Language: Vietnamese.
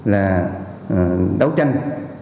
là đấu tranh